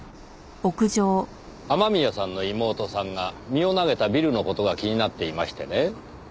雨宮さんの妹さんが身を投げたビルの事が気になっていましてね。